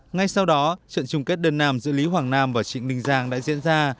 ngay sau đó trận chung kết đơn nàm giữa lý hoàng nam và trịnh đinh giang đã diễn ra